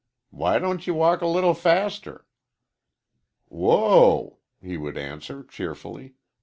"Why don't ye walk a little faster?" "W whoa!" he would answer, cheerfully.